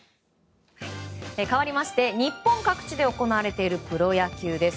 かわりまして日本各地で行われているプロ野球です。